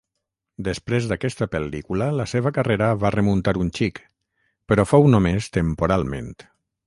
Després d'aquesta pel·lícula la seva carrera va remuntar un xic, però fou només temporalment.